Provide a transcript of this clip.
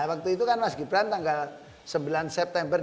waktu itu kan mas gibran tanggal sembilan september dua ribu sembilan belas